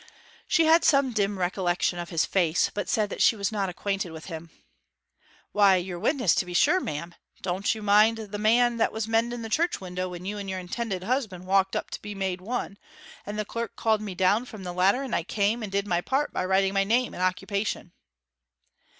She had some dim recollection of his face, but said that she was not acquainted with him. 'Why, your witness to be sure, ma'am. Don't you mind the man that was mending the church window when you and your intended husband walked up to be made one; and the clerk called me down from the ladder, and I came and did my part by writing my name and occupation?'